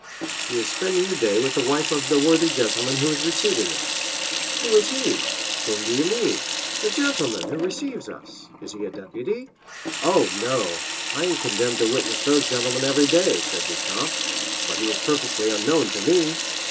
"She is spending the day with the wife of the worthy gentleman who is receiving us." 50105m "Who is he?" "Whom do you mean?" "The gentleman who receives us? Is he a deputy?" "Oh, no. I am condemned to witness those gentlemen every day," said Beauchamp; "but he is perfectly unknown to me."